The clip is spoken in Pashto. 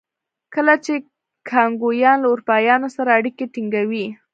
کله چې کانګویان له اروپایانو سره اړیکې ټینګوي.